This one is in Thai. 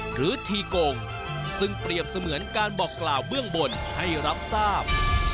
ทีกงซึ่งเปรียบเสมือนการบอกกล่าวเบื้องบนให้รับทราบ